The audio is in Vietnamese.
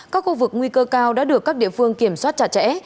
các khu vực nguy cơ cao đã được các địa phương kiểm soát chặt chẽ